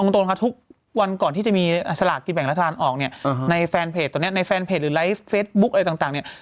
ทุกวันก่อนที่จะมีสลากกินแบ่งและทานออกในแฟนเพจหรือไลฟ์เฟสบุ๊คอะไรต่าง